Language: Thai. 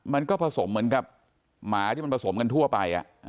มันก็ผสมเหมือนกับหมาที่มันผสมกันทั่วไป